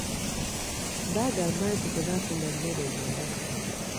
Baagamba nti tebaafuna mmere emala.